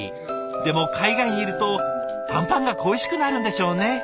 でも海外にいるとあんぱんが恋しくなるんでしょうね。